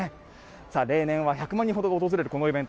例年は１００万人ほどが訪れる、このイベント。